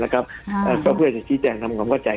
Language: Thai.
ก็เพื่อจะชี้แจงทำความเข้าใจ